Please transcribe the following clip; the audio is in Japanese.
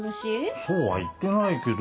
そうは言ってないけど。